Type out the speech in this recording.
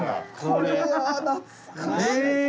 これは懐かしい！